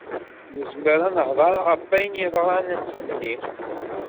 Nezmer ad nehder ɣef ayen yeḍran ass-nni?